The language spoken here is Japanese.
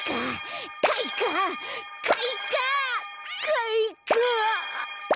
かいか。